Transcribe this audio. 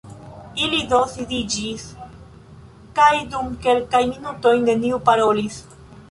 Ili do sidiĝis, kaj dum kelkaj minutoj neniu parolis.